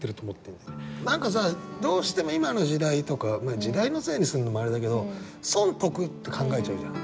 何かさどうしても今の時代とかまあ時代のせいにするのもあれだけど損得って考えちゃうじゃん。